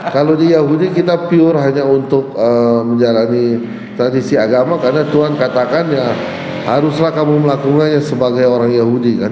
kalau di yahudi kita pure hanya untuk menjalani tradisi agama karena tuhan katakan ya haruslah kamu melakukannya sebagai orang yahudi kan